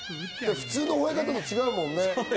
普通の吠え方と違うもんね。